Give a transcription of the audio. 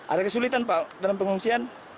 ada kesulitan pak dalam pengungsian